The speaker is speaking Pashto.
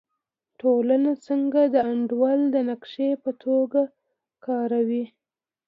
ټولنه څنګه د انډول د نقشې په توګه کاروي؟